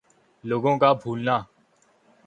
لوگوں کا بھولنا